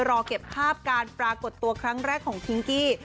รอเก็บภาพการปรากฏตัวครั้งแรกของพิงกี้